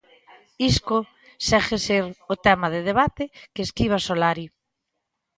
Isco segue a ser o tema de debate que esquiva Solari.